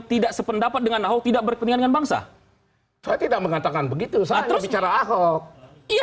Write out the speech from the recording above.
tidak sependapat dengan tidak berpengengan bangsa tidak mengatakan begitu saya terus cara aku iya